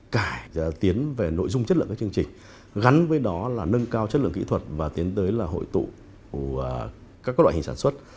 cải tiến về nội dung chất lượng các chương trình gắn với đó là nâng cao chất lượng kỹ thuật và tiến tới là hội tụ các loại hình sản xuất